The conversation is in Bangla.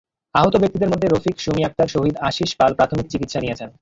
আহত ব্যক্তিদের মধ্যে রফিক, সুমি আক্তার, শহীদ, আশিষ পাল প্রাথমিক চিকিৎসা নিয়েছেন।